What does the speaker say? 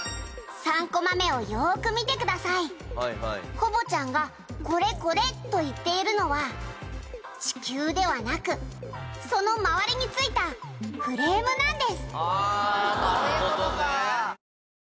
「コボちゃんが“これこれ”と言っているのは地球ではなくその周りについたフレームなんです」